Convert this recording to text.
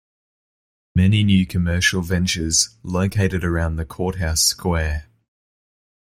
Many new commercial ventures located around the Courthouse Square.